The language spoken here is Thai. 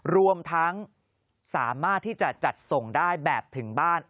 รวมทั้งสามารถที่จะจัดส่งได้แบบถึงบ้าน